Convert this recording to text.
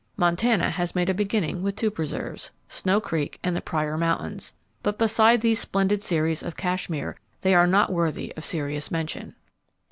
Montana has made a beginning with two preserves,—Snow Creek and the Pryor Mountains,—but beside the splendid series of Kashmir they are not worthy of serious mention.